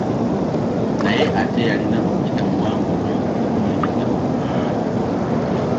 Naye ate yalina omukira muwaanvu nnyo nga gumulemesa okudduka.